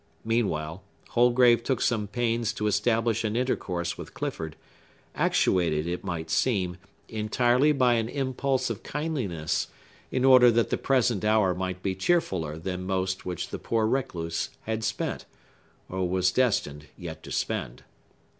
Meanwhile, Holgrave took some pains to establish an intercourse with Clifford, actuated, it might seem, entirely by an impulse of kindliness, in order that the present hour might be cheerfuller than most which the poor recluse had spent, or was destined yet to spend.